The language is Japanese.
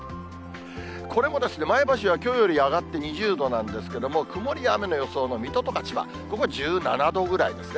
これもですね、前橋はきょうより上がって２０度なんですけれども、曇りや雨の予想の水戸とか千葉、ここは１７度ぐらいですね。